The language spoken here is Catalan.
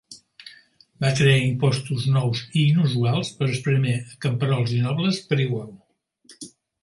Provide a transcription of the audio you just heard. Va crear impostos nous i inusuals per esprémer a camperols i nobles per igual.